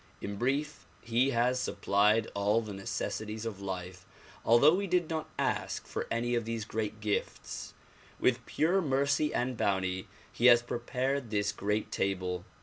In brief, he has supplied all the necessities of life although we did not ask for any of these great gifts. With pure mercy and bounty he has prepai; ed this great table.